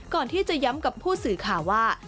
ก่อนที่จะย้ำกับผู้สื่อข่าวว่า